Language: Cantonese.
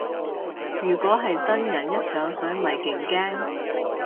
如果係真人一上水咪勁驚